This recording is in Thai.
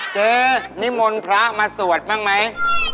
เจ๊นิมนต์พระมาสวดบ้างไหม